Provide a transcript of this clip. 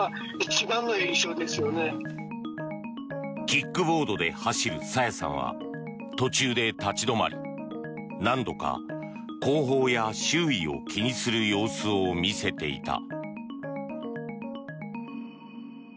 キックボードで走る朝芽さんは途中で立ち止まり何度か後方や周囲を気にする様子を見せていた。